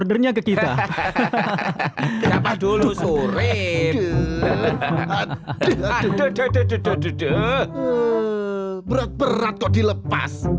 berat berat kok dilepas